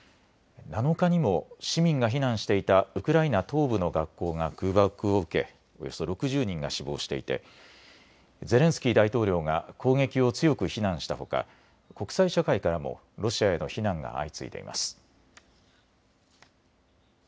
７日にも市民が避難していたウクライナ東部の学校が空爆を受けおよそ６０人が死亡していてゼレンスキー大統領が攻撃を強く非難したほか国際社会からもロシアへの非難が相次いでいます。